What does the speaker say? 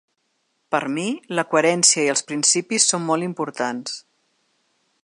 Per mi, la coherència i els principis són molt importants.